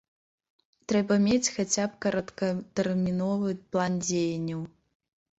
Трэба мець хаця б кароткатэрміновы план дзеянняў.